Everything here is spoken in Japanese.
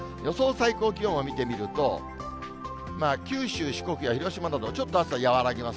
最高気温を見てみると、九州、四国や広島など、ちょっと暑さ和らぎます。